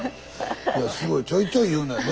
すごいちょいちょい言うのよね。